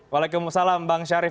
waalaikumsalam bang syarif